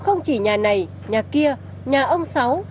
không chỉ nhà này nhà kia nhà ông sáu